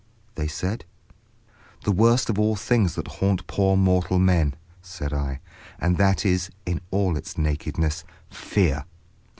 they said. "The worst of all the things that haunt poor mortal men," said I; "and that is, in all its nakedness—'Fear!